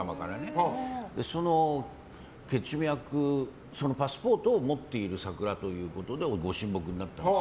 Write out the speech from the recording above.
そのパスポートを持ってる桜ということでご神木になったんです。